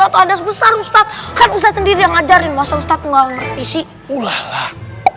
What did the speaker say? atau andas besar ustadz kan ustadz sendiri yang ngajarin masa ustadz ngalang ngerti sih